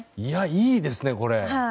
いいですね、これ。